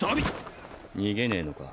逃げねえのか？